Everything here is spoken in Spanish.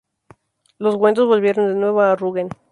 Los Wendos volvieron de nuevo a Rügen.